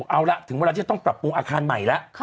เอาละถึงเวลาที่จะต้องปรับปรุงอาคารใหม่แล้ว